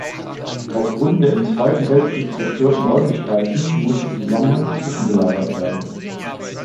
Aufgrund der im Zweiten Weltkrieg zerstörten Räumlichkeiten musste die Sammlung zwischengelagert werden.